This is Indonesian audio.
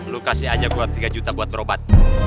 lu kasih aja gua tiga juta buat berobat